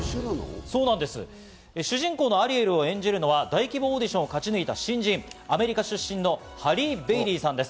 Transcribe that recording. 主人公のアリエルを演じるのは大規模オーディションを勝ち抜いた新人、アメリカ出身のハリー・ベイリーさんです。